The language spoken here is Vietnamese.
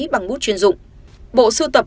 bằng bút chuyên dụng bộ sưu tập